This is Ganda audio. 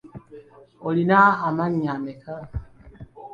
Olina amannya ameka?